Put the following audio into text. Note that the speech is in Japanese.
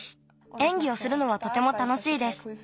えんぎをするのはとてもたのしいです。